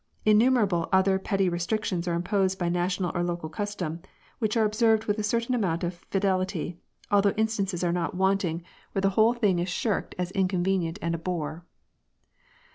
Innumer able other petty restrictions are imposed by national or local custom, which are observed with a certain amount of fidelity, though instances are not wanting 176 FUNERALS. where the whole thing is shirked as inconvenient and a bore.